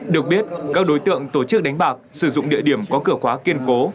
được biết các đối tượng tổ chức đánh bạc sử dụng địa điểm có cửa khóa kiên cố